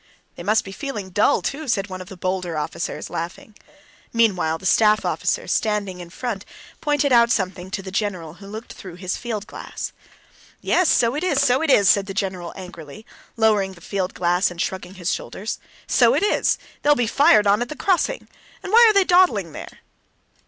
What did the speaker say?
"They must be feeling dull, too," said one of the bolder officers, laughing. Meanwhile the staff officer standing in front pointed out something to the general, who looked through his field glass. "Yes, so it is, so it is," said the general angrily, lowering the field glass and shrugging his shoulders, "so it is! They'll be fired on at the crossing. And why are they dawdling there?"